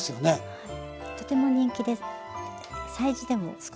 はい。